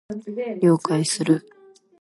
了解する